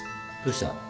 どうした？